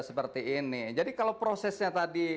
seperti ini jadi kalau prosesnya tadi